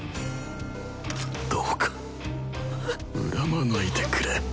どうか恨まないでくれ。